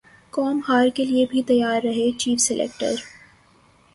قوم ہار کیلئے بھی تیار رہے چیف سلیکٹر